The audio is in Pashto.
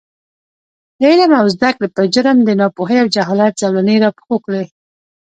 د عـلم او زده کـړې پـه جـرم د نـاپـوهـۍ او جـهالـت زولـنې راپښـو کـړي .